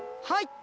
はい。